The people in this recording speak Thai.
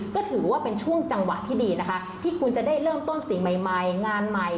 ก็ถือว่าเป็นช่วงจังหวะที่ดีนะคะที่คุณจะได้เริ่มต้นสิ่งใหม่งานใหม่